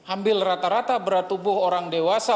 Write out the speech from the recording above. ambil rata rata berat tubuh orang dewasa